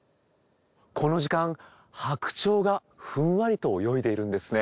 この時間白鳥がふんわりと泳いでいるんですね。